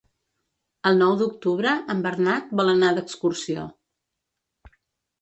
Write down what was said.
El nou d'octubre en Bernat vol anar d'excursió.